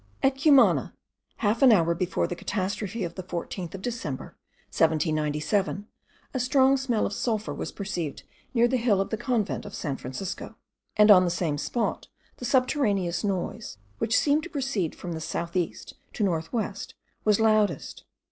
At Cumana, half an hour before the catastrophe of the 14th of December, 1797, a strong smell of sulphur was perceived near the hill of the convent of San Francisco; and on the same spot the subterraneous noise, which seemed to proceed from south east to north west, was loudest.